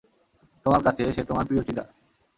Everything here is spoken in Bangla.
তোমার কাছে, সে তোমার প্রিয় চিদা!